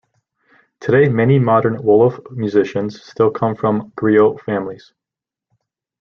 Today many modern Wolof musicians still come from Griot families.